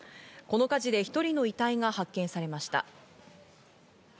この火事で１人の遺体が発見されました。